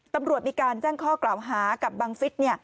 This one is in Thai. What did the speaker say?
ตำรวจมีการแจ้งข้อกล่าวหากับบังฟิศ